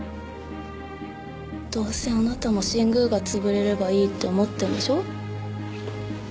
どうせあなたも新宮が潰れればいいって思ってんでしょ？